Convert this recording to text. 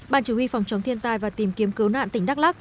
ban chủ huy phòng chống thiên tài và tìm kiếm cứu nạn tỉnh đắk lắc